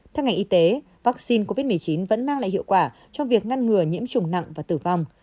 theo ngành y tế vaccine covid một mươi chín vẫn mang lại hiệu quả trong việc ngăn ngừa nhiễm trùng nặng và tử vong